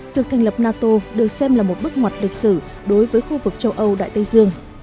việc thành lập nato được xem là một bước ngoặt lịch sử đối với khu vực châu âu đại tây dương